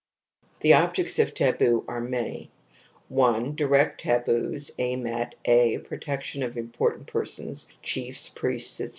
{" The objects of the taboo are many i 1 . direct taboos aim at (a) protection of important per \y sons — chiefs, priests, etc.